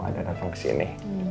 ada datang kesini